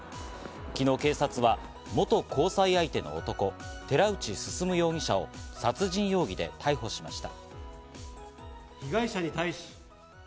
昨日、警察が元交際相手の男・寺内進容疑者を殺人容疑で逮捕しました。